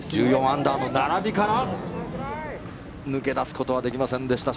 １４アンダーの並びから抜け出すことはできませんでした。